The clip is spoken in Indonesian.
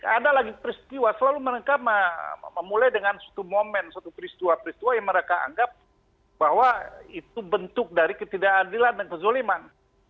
ada lagi peristiwa selalu mereka memulai dengan suatu momen suatu peristiwa peristiwa yang mereka anggap bahwa itu bentuk dari ketidakadilan dan kezoliman